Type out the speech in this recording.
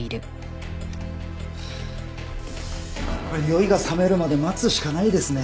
酔いがさめるまで待つしかないですね。